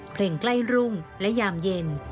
ใกล้รุ่งและยามเย็น